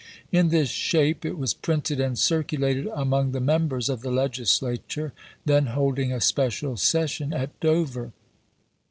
In this shape it was printed and cir culated among the members of the Legislature, then holding a special session at Dover.